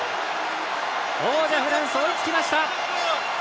王者フランス、追いつきました！